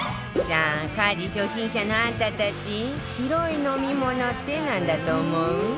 さあ家事初心者のあんたたち白い飲み物ってなんだと思う？